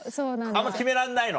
あんま決めらんないの？